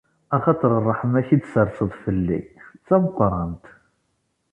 Axaṭer ṛṛeḥma-k i d-tserseḍ fell-i, d tameqqrant.